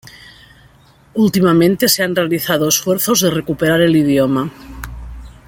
Últimamente, se han realizado esfuerzos de recuperar el idioma.